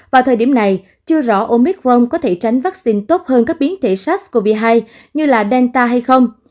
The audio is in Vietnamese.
vào thời điểm này chưa rõ omicron có thể tránh vaccine tốt hơn các biến thể sars cov hai như là delta hay không